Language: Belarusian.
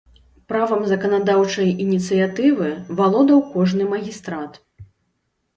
Правам заканадаўчай ініцыятывы валодаў кожны магістрат.